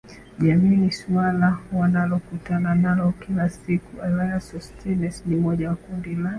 jamii ni suala wanalokutana nalo kila siku Elias Sostenes ni mmoja wa kundi la